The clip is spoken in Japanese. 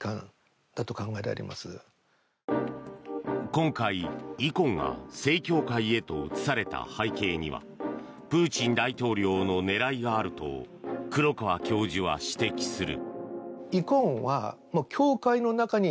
今回、イコンが正教会へと移された背景にはプーチン大統領の狙いがあると黒川教授は指摘する。